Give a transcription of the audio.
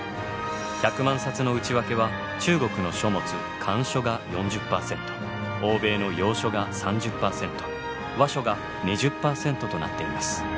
１００万冊の内訳は中国の書物漢書が４０％欧米の洋書が３０％和書が２０％となっています。